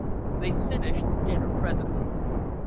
They finished dinner presently.